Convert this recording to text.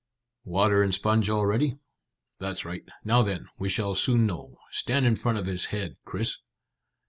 "Water and sponge all ready? That's right. Now then, we shall soon know. Stand in front of his head, Chris."